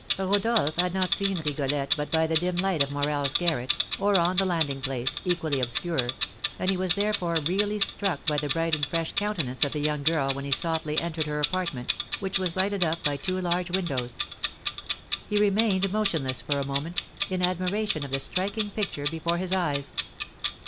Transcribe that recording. Rodolph had not seen Rigolette but by the dim light of Morel's garret, or on the landing place, equally obscure, and he was therefore really struck by the bright and fresh countenance of the young girl when he softly entered her apartment, which was lighted up by two large windows. He remained motionless for a moment, in admiration of the striking picture before his eyes.